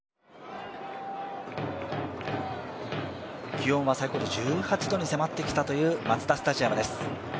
気温は先ほど１８度に迫ってきたというマツダスタジアムです。